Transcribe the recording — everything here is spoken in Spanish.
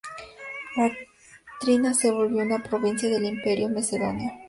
Bactriana se volvió una provincia del Imperio macedonio.